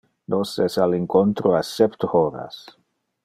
Nos es al incontro a septe horas.